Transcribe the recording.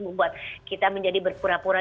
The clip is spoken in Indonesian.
membuat kita menjadi berpura pura